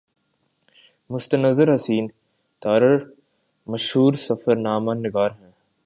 مستنصر حسین تارڑ مشہور سفرنامہ نگار ہیں